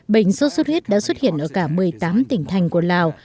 bệnh sốt xuất huyết đã xuất hiện ở cả một mươi tám tỉnh thành của lào